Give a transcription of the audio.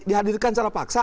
dihadirkan secara paksa